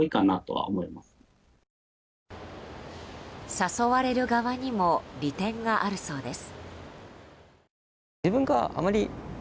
誘われる側にも利点があるそうです。